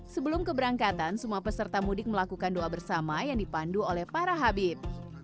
sebelum keberangkatan semua peserta mudik melakukan doa bersama yang dipandu oleh para habib